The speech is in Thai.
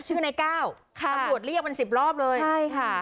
ชื่อในก้าวค่ะตำรวจเรียกเป็นสิบรอบเลยใช่ค่ะ